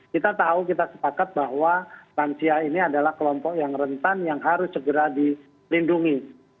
kita tahu kita sepakat bahwa lansia ini adalah kelompok yang rentan yang harus segera dilindungi